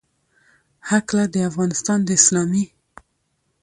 هکله، د افغانستان د اسلامي